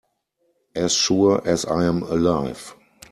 As sure as I am alive.